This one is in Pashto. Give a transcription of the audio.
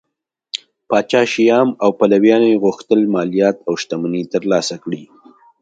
پاچا شیام او پلویانو یې غوښتل مالیات او شتمنۍ ترلاسه کړي